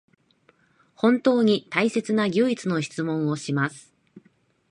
本当に大切な唯一の質問をします